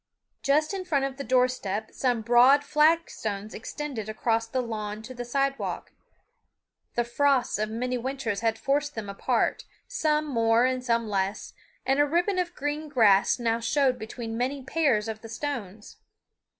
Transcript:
Just in front of the door step some broad flagstones extended across the lawn to the sidewalk. The frosts of many winters had forced them apart, some more and some less, and a ribbon of green grass now showed between many pairs of the stones.